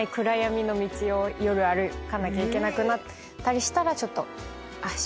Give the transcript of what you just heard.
夜歩かなきゃいけなくなったりしたらちょっと。